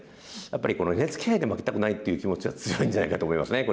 やっぱりこのＮＨＫ杯で負けたくないっていう気持ちは強いんじゃないかと思いますね